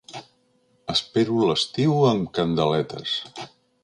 Espero l'estiu amb candeletes!